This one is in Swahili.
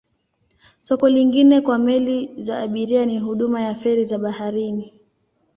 Soko lingine kwa meli za abiria ni huduma ya feri za baharini.